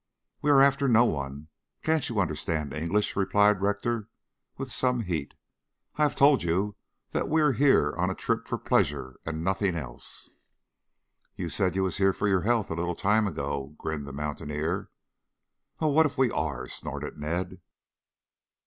"We are after no one. Can't you understand English?" replied Rector with some heat, "I have told you that we are here on a trip for pleasure and nothing else." "You said you was here for your health, a little time ago," grinned the mountaineer. "Well, what if we are?" snorted Ned.